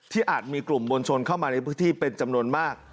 อาจมีกลุ่มมวลชนเข้ามาในพื้นที่เป็นจำนวนมาก